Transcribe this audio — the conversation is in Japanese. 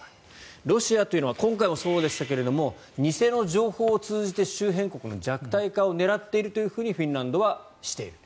ロシアというのは今回もそうでしたけれども偽の情報を通じて周辺国の弱体化を狙っているとフィンランドはしている。